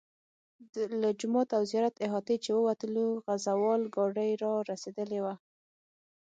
له جومات او زیارت احاطې چې ووتلو زغره وال ګاډي را رسېدلي وو.